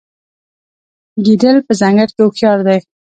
ګیدړ په ځنګل کې هوښیار دی.